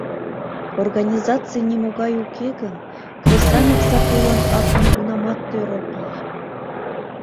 Организаций нимогай уке гын, кресаньык сатулан ак нигунамат тӧр ок лий.